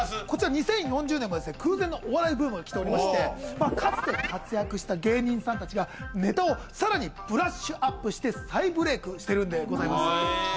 こちら２０４０年もですね空前のお笑いブームが来ておりましてかつて活躍した芸人さんたちがネタをさらにブラッシュアップして再ブレークしてるんでございます。